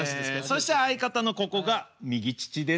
そして相方のここが右乳です。